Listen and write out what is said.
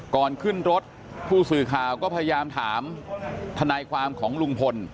ก่อนขึ้นรถผู้สื่อข่าวก็พยายามถามทนายความของลุงพล